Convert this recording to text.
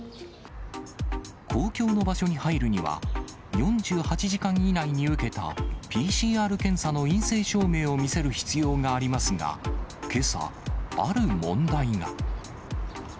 公共の場所に入るには、４８時間以内に受けたＰＣＲ検査の陰性証明を見せる必要がありますが、けさ、ある問題が。